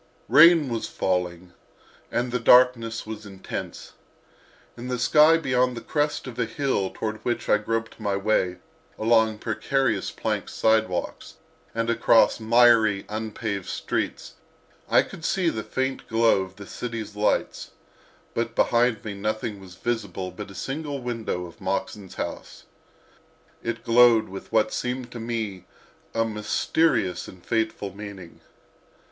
Rain was falling, and the darkness was intense. In the sky beyond the crest of a hill toward which I groped my way along precarious plank sidewalks and across miry, unpaved streets I could see the faint glow of the city's lights, but behind me nothing was visible but a single window of Moxon's house. It glowed with what seemed to me a mysterious and fateful meaning.